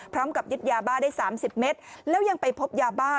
พร้อมกับยึดยาบ้าได้๓๐เมตรแล้วยังไปพบยาบ้า